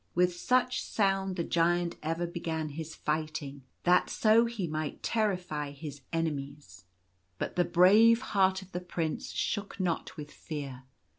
With such sound the Giant ever began his fighting, that so he might terrify his enemies; but the brave 38 Zaphir slays the Giant. heart of the Prince shook not with fear.